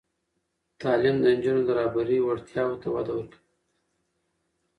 تعلیم د نجونو د رهبري وړتیاوو ته وده ورکوي.